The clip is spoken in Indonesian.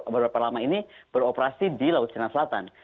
berapa lama ini beroperasi di laut cina selatan